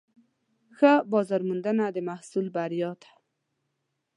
ښه بازارموندنه د محصول بریا ده.